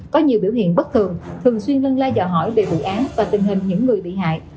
có nhiều biểu hiện bất thường thường xuyên lân lai dò hỏi về vụ án và tình hình những người bị hại